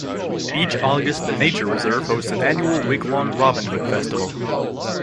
Each August the nature reserve hosts an annual, week-long Robin Hood Festival.